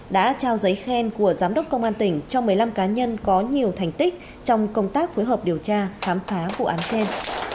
đã trao giấy khen của giám đốc công an tỉnh cho một mươi năm cá nhân có nhiều thành tích trong công tác phối hợp điều tra khám phá vụ án trên